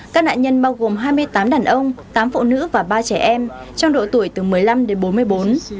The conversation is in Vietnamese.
các nạn nhân bao gồm hai mươi tám đàn ông tám phụ nữ và ba trẻ em trong độ tuổi từ một mươi năm đến bốn mươi bốn